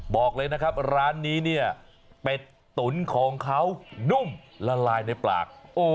บอกเลยนะครับร้านนี้เนี่ยเป็ดตุ๋นของเขานุ่มละลายในปาก